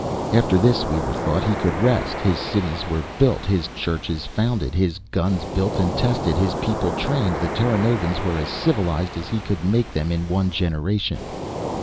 After this, Weaver thought, He could rest. His cities were built, His church founded, His guns built and tested, His people trained. The Terranovans were as civilized as He could make them in one generation.